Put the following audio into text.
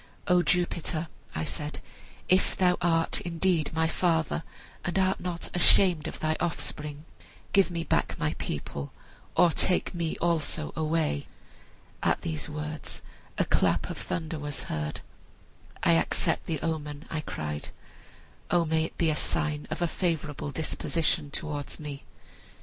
'O Jupiter,' I said, 'if thou art indeed my father, and art not ashamed of thy offspring, give me back my people, or take me also away!' At these words a clap of thunder was heard. 'I accept the omen,' I cried; 'O may it be a sign of a favorable disposition towards me!'